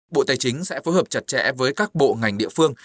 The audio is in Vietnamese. bộ tài chính sẽ phối hợp chặt chẽ với các bộ ngành địa phương